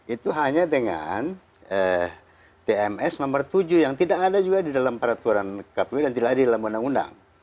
itu hanya dengan tms nomor tujuh yang tidak ada juga di dalam peraturan kpu dan tidak ada di dalam undang undang